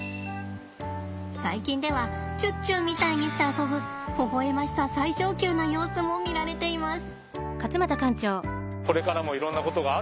最近ではちゅっちゅみたいにして遊ぶほほ笑ましさ最上級な様子も見られています。